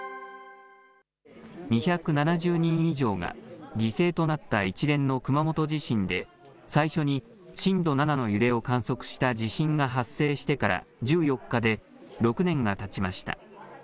２７０人以上が犠牲となった一連の熊本地震で、最初に震度７の揺れを観測した地震が発生してから１４日で６年がたちました。